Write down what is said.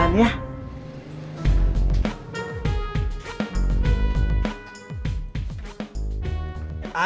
tunggu nanti aja